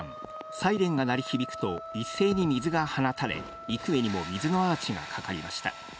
１９日午後１時半、サイレンが鳴り響くと、一斉に水が放たれ、幾重にも水のアーチが架かりました。